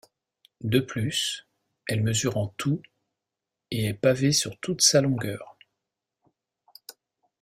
De plus, elle mesure en tout, et est pavée sur toute sa longueur.